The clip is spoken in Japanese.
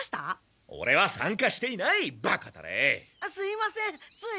すいませんつい。